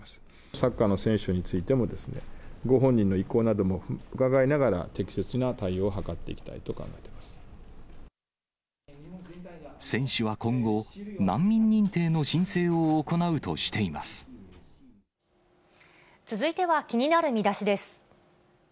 サッカーの選手についても、ご本人の意向なども伺いながら、適切な対応を図っていきたいと考選手は今後、難民認定の申請続いては気になるミダシです。